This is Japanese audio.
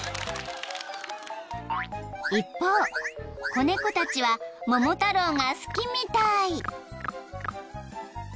［一方子猫たちは桃太郎が好きみたい］